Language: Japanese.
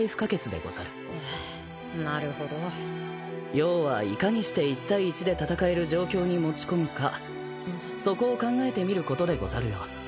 要はいかにして一対一で戦える状況に持ち込むかそこを考えてみることでござるよ。